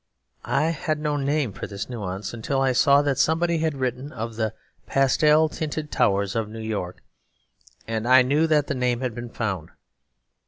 I had no name for this nuance; until I saw that somebody had written of 'the pastel tinted towers of New York'; and I knew that the name had been found.